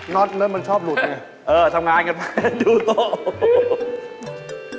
น็อตเริ่มมันชอบหลุดเนี่ยเออทำงานกันไปดูโต๊ะ